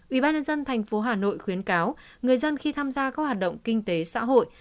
ubnd tp hà nội khuyến cáo người dân khi tham gia các hoạt động kinh tế xã hội